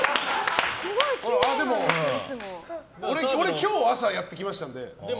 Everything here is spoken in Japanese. でも俺今日朝やってきましたんで。